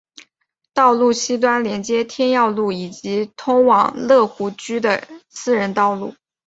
道路西端连接天耀路以及通往乐湖居的私人道路。